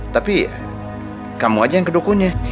tapi kamu aja yang kedukunya